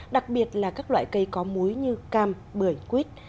đặc biệt là các loại cây có muối như cam bưởi quýt